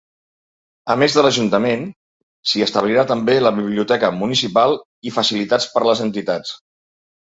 A més de l'ajuntament, s'hi establirà també la biblioteca municipal i facilitats per les entitats.